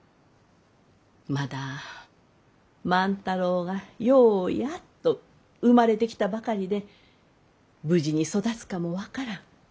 まだ万太郎がようやっと生まれてきたばかりで無事に育つかも分からん。